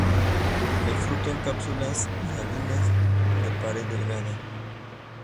El fruto en cápsulas hialinas, de pared delgada.